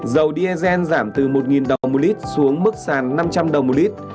dầu diesel giảm từ một đồng một lít xuống mức sàn năm trăm linh đồng một lít